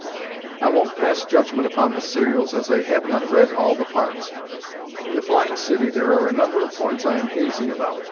I won't pass judgment upon the serials, as I have not read all the parts. In "The Flying City" there are a number of points I am hazy about.